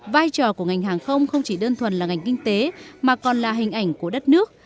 vai trò của ngành hàng không không chỉ đơn thuần là ngành kinh tế mà còn là hình ảnh của đất nước